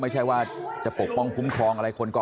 น้าสาวของน้าผู้ต้องหาเป็นยังไงไปดูนะครับ